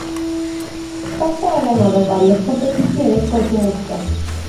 Panda ha ganado varias competiciones con su música.